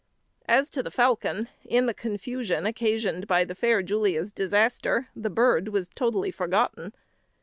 As to the falcon, in the confusion occasioned by the fair Julia's disaster the bird was totally forgotten.